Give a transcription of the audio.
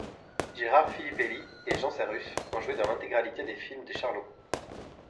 Gérard Filippelli et Jean Sarrus ont joué dans l'intégralité des films des Charlots.